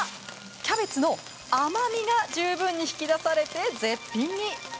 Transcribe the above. キャベツの甘みが十分に引き出されて絶品に。